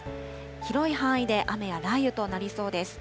広い範囲で雨や雷雨となりそうです。